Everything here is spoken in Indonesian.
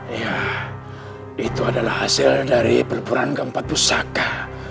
iya itu adalah hasil dari peleburan gempat pusaka